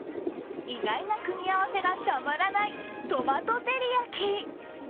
意外な組み合わせがたまらないトマト照り焼き。